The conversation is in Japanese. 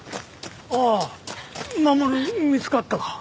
ああ守見つかったか？